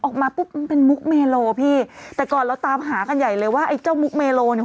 ออกมาปุ๊บมันเป็นมุกเมโลพี่แต่ก่อนเราตามหากันใหญ่เลยว่าไอ้เจ้ามุกเมโลเนี่ย